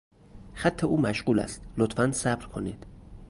خط او مشغول است، لطفا صبر کنید.